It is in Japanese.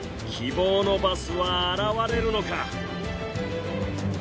希望のバスは現れるのか？